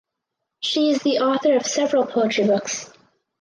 She is the author of several poetry books.